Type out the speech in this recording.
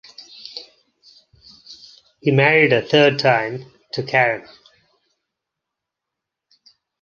He married a third time, to Karen.